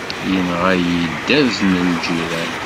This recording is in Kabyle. Yenɣa-yi dderz n lǧiran.